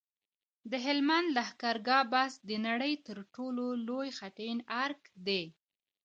د هلمند لښکرګاه بست د نړۍ تر ټولو لوی خټین ارک دی